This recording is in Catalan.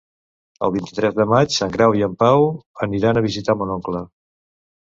El vint-i-tres de maig en Grau i en Pau aniran a visitar mon oncle.